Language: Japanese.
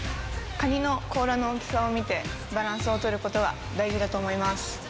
カニの甲羅の大きさを見て、バランスを取ることが大事だと思います。